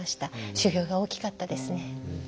修行が大きかったですね。